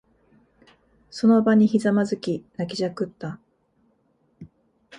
その場にひざまずき、泣きじゃくった。